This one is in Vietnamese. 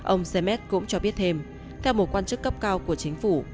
ông semes cũng cho biết thêm theo một quan chức cấp cao của chính phủ